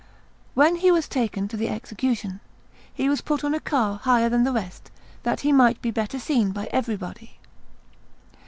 When he was taken to execution, "he was put on a car higher than the rest, that he might be better seen by everybody."